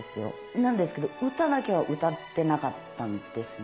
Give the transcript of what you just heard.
なんですけど、歌だけは歌ってなかったんですね。